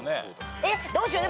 えっどうしようでも。